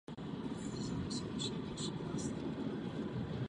Pohromou byly i časté požáry a jiná neštěstí.